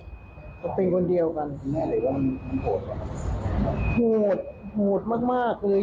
ก็เป็นคนเดียวกันแม่เลยว่ามันโหดโหดโหดมากมากเลย